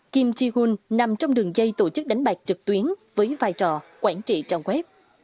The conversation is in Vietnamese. kim chi hun nằm trong đường dây tổ chức đánh bạc trực tuyến với vai trò quản trị trang web